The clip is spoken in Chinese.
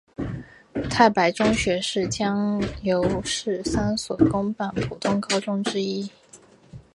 太白中学是江油市三所公办普通高中之一。